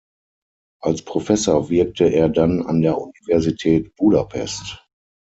Als Professor wirkte er dann an der Universität Budapest.